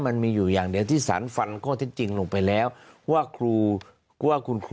โทษครึ่งเดียวครึ่งปีครึ่ง